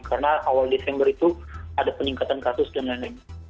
karena awal desember itu ada peningkatan kasus dan lain lain